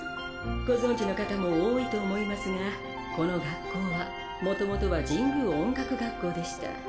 ご存じの方も多いと思いますがこの学校はもともとは神宮音楽学校でした。